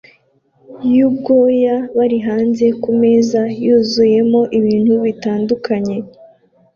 yubwoya bari hanze kumeza yuzuyemo ibintu bitandukanye